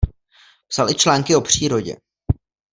Psal i články o přírodě.